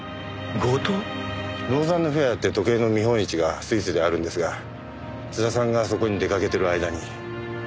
ローザンヌフェアって時計の見本市がスイスであるんですが津田さんがそこに出掛けてる間に。